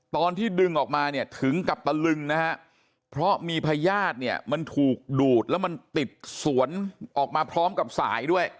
ตอนที่ดึงออกมาเนี่ยถึงกับตะลึงนะฮะเพราะมีพญาติเนี่ยมันถูกดูดแล้วมันติดสวนออกมาพร้อมกับสายด้วย